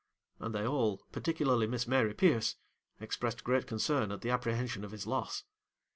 and they all, particularly Miss Mary Pierce, expressed great concern at the apprehension of his loss.